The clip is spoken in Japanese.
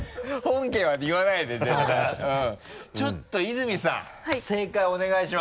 ちょっと泉さん正解お願いします。